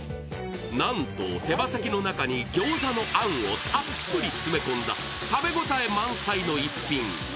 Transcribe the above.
なんと手羽先の中に餃子のあんをたっぷり詰め込んだ食べ応え満載の逸品。